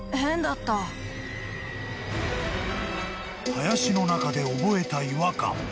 ［林の中で覚えた違和感］